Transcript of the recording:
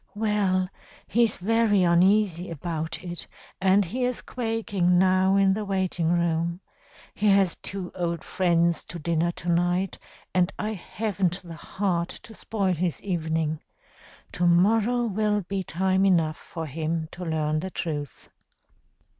'Well, he's very uneasy about it, and he is quaking now in the waiting room. He has two old friends to dinner to night, and I haven't the heart to spoil his evening. To morrow will be time enough for him to learn the truth.'